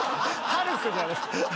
ハルクじゃないですか。